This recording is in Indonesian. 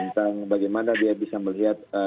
tentang bagaimana dia bisa melihat